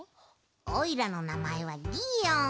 おいらのなまえはギーオン！